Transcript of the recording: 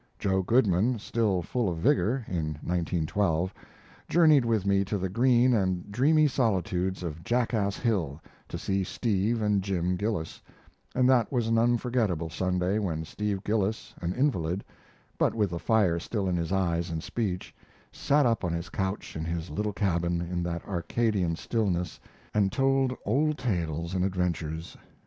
Joe Goodman, still full of vigor (in 1912), journeyed with me to the green and dreamy solitudes of Jackass Hill to see Steve and Jim Gillis, and that was an unforgetable Sunday when Steve Gillis, an invalid, but with the fire still in his eyes and speech, sat up on his couch in his little cabin in that Arcadian stillness and told old tales and adventures.